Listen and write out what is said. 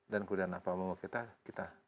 dan kudanya apa mau kita